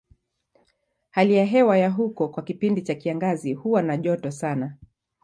Hali ya hewa ya huko kwa kipindi cha kiangazi huwa na joto sana.